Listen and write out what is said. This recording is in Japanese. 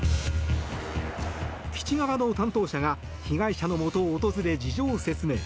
基地側の担当者が被害者のもとを訪れ事情を説明。